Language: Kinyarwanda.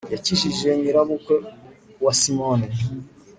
yakijije nyirabukwe wa simoni